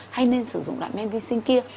hay nên sử dụng loại men vi sinh kia